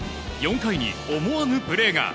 ４回に思わぬプレーが。